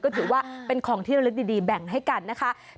ก็ถือว่าเป็นของที่ระลึกดีแบ่งให้กันนะคะ